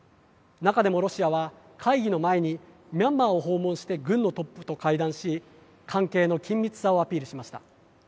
中でも、ロシアは会議の前にミャンマーを訪問して軍のトップと会談し関係の緊密さをアピールしました。